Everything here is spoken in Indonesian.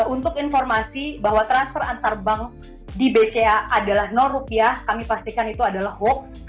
untuk informasi bahwa transfer antar bank di bca adalah rupiah kami pastikan itu adalah hoax